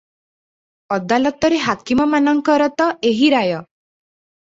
ଅଦାଲତରେ ହାକିମମାନଙ୍କର ତ ଏହି ରାୟ ।